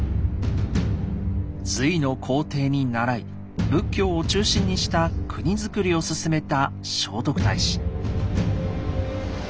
隋の皇帝に倣い仏教を中心にした国づくりを進めた聖徳太子。